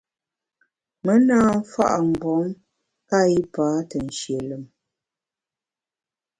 Me na mfa’ mgbom nka yipa te nshie lùm.